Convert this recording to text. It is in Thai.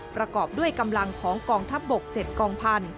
ประกอบด้วยกำลังของกองทัพบก๗กองพันธุ